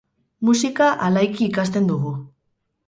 Musika alaiki ikasten dugu.